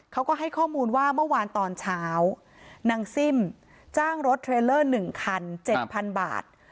เขาก็ให้ข้อมูลว่าเมื่อวานตอนเช้านางซิ่มจ้างรถเทรลเลอร์๑คัน๗๐๐บาท